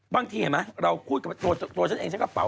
บางทีเห็นไหมเราคุยกับตัวตัวตัวตัวตัวเองใช้กระเป๋า